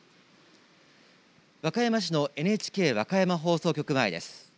和歌山市のＮＨＫ和歌山放送局前です。